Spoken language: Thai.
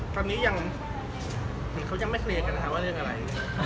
ตอนนี้ยังเหมือนเขายังไม่เคลียร์กันนะคะว่าเรื่องอะไร